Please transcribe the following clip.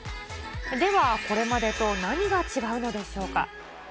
では、これまでと何が違うのでしょうか。